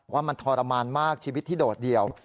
ว่ามันทรมานมากชีวิตที่โดดเดี่ยว